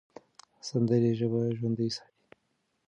سندرې ژبه ژوندۍ ساتي.